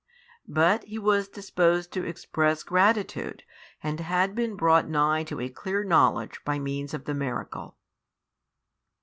But he was disposed to express gratitude and had been brought nigh to a clear knowledge by means of the miracle.